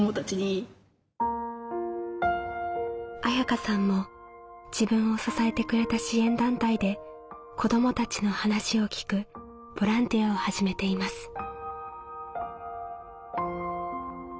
綾香さんも自分を支えてくれた支援団体で子どもたちの話を聞くボランティアを始めています。